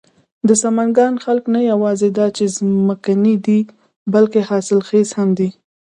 د سمنگان خلک نه یواځې دا چې ځمکني دي، بلکې حاصل خيز هم دي.